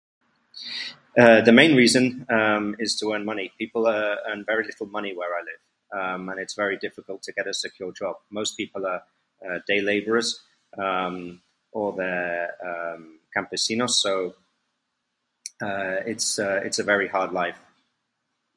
Uh, the main reason, um, is to earn money. People ea- earn very little money where I live um and it's very difficult to get a secure job. Most people are day laborers, um, or they're um campesinos, so, uh, it's uh it's a very hard life.